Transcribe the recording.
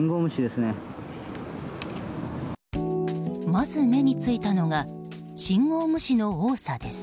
まず目についたのが信号無視の多さです。